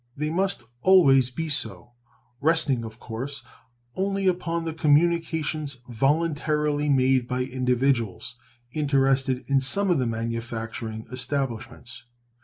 They must always be so, resting, of course, only upon the communications voluntarily made by individuals interested in some of the manufacturing establishments.